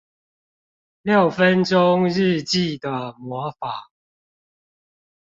六分鐘日記的魔法